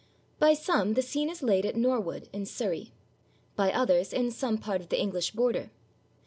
By some the scene is laid at Norwood, in Surrey; by others in some part of the English border.